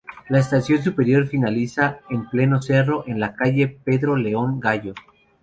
La estación superior finaliza en pleno cerro, en la calle Pedro León Gallo.